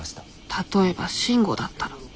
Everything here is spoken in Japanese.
例えば慎吾だったら。